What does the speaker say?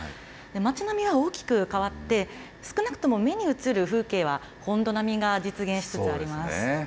街並みは大きく変わって、少なくとも目に映る風景は、本土並みが実現しつつあります。